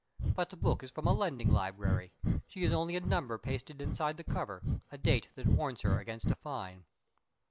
But the book is from a lending library. She is only a number pasted inside the cover, a date that warns her against a fine.